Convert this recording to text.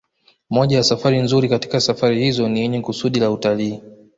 Moja ya safari nzuri katika safari hizo ni yenye kusudi la utalii